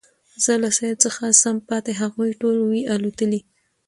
زه له سېل څخه سم پاته هغوی ټول وي الوتلي